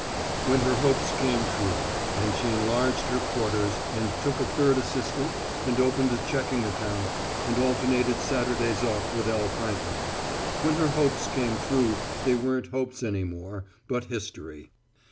When her hopes came true and she enlarged her quarters and took a third assistant and opened a checking account, and alternated Saturdays off with L. Frankland; when her hopes came true they weren't hopes any more, but history.